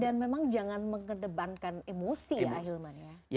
dan memang jangan mengedepankan emosi ya hilman ya